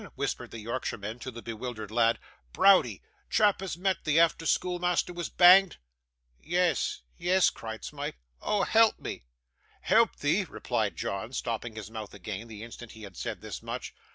whispered the Yorkshireman to the bewildered lad. 'Browdie. Chap as met thee efther schoolmeasther was banged?' 'Yes, yes,' cried Smike. 'Oh! help me.' 'Help thee!' replied John, stopping his mouth again, the instant he had said this much.